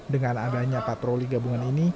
dengan adanya patroli gabungan ini